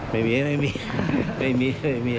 ไม่มี